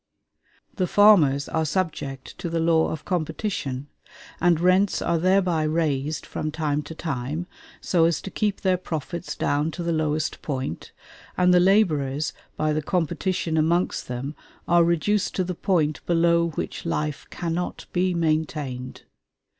The farmers are subject to the law of competition, and rents are thereby raised from time to time so as to keep their profits down to the lowest point, and the laborers by the competition amongst them are reduced to the point below which life cannot be maintained.